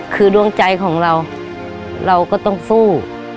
คือดวงใจของเราเราก็ต้องสู้